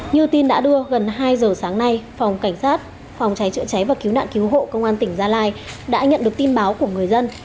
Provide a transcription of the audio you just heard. như tin đã đưa gần hai giờ sáng nay phòng cảnh sát phòng cháy chữa cháy và cứu nạn cứu hộ công an tỉnh gia lai đã nhận được tin báo của người dân